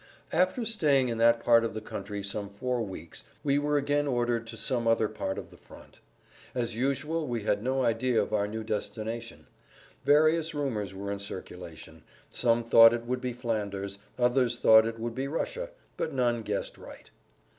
After staying in that part of the country some four weeks we were again ordered to some other part of the front. As usual we had no idea of our new destination. Various rumors were in circulation. Some thought it would be Flanders, others thought it would be Russia; but none guessed right.